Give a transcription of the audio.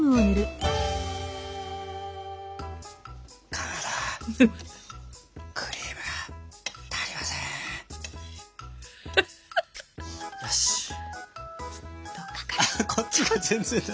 あこっちが全然だ。